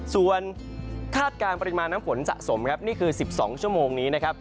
ส่วนคาดการณ์ปริมาณน้ำฝนสะสมคือ๑๒ชั่วโมงนี้